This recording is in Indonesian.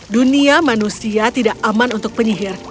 dunia manusia tidak aman untuk penyihir